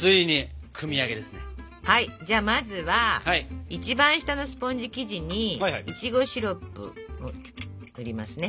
じゃあまずは一番下のスポンジ生地にいちごシロップを塗りますね。